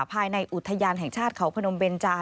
ภายในอุทยานแห่งชาติเขาพนมเบนจา